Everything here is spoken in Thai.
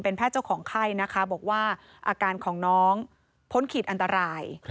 แพทย์เจ้าของไข้นะคะบอกว่าอาการของน้องพ้นขีดอันตราย